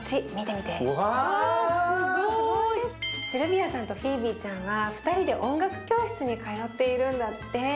シルビアさんとフィービーちゃんは２人で音楽教室に通っているんだって。